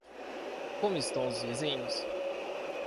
Como estão os vizinhos?